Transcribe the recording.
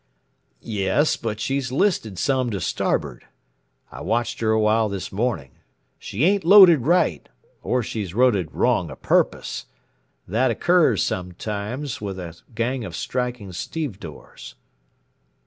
"Yes, but she's listed some to starboard. I watched her awhile this morning. She ain't loaded right, or she's loaded wrong, purpose. That occurs sometimes with a gang of striking stevedores."